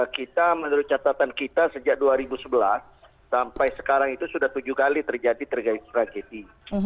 kita menurut catatan kita sejak dua ribu sebelas sampai sekarang itu sudah tujuh kali terjadi terkait tragedi